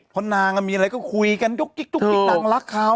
พอนางมีอะไรก็คุยกันตุ๊กนางรักเค้า